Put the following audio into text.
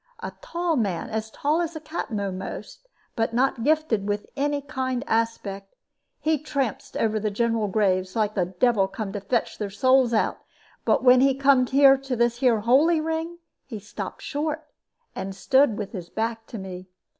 A tall man, as tall as the Captain a'most, but not gifted with any kind aspect. He trampsed over the general graves, like the devil come to fetch their souls out; but when he come here to the 'holy ring,' he stopped short, and stood with his back to me.